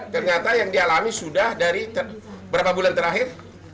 ternyata yang dialami sudah dari berapa bulan terakhir